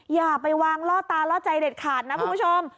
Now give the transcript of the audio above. อย่าไปวางล่อตาล่อใจเด็ดขาดนะคุณผู้ชม